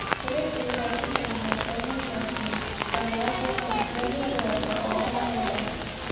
Hitherto, thy company hath been my mercy, and thou shalt have a good reward for all thy labour."